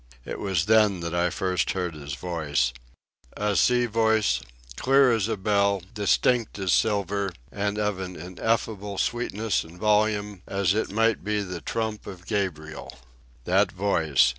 It was then that I first heard his voice—a sea voice, clear as a bell, distinct as silver, and of an ineffable sweetness and volume, as it might be the trump of Gabriel. That voice!